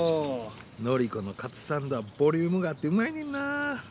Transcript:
ノリコのカツサンドはボリュームがあってうまいんだよな。